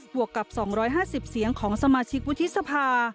วกกับ๒๕๐เสียงของสมาชิกวุฒิสภา